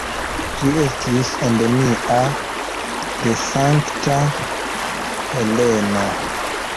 Ĝi estis endemia de Sankta Heleno.